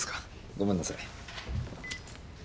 ごめんなさい。